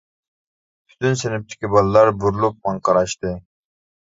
پۈتۈن سىنىپتىكى بالىلار بۇرۇلۇپ ماڭا قاراشتى.